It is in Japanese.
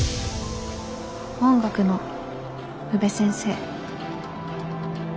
音楽の宇部先生。